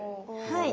はい。